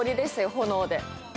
炎で。